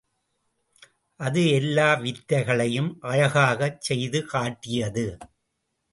அது எல்லா வித்தைகளையும் அழகாகச் செய்துகாட்டியது.